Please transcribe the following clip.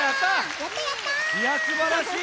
いやすばらしい。